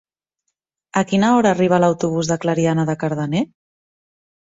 A quina hora arriba l'autobús de Clariana de Cardener?